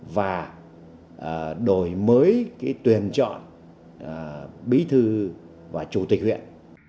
và đổi mới tuyển chọn bí thư và chủ tịch huyện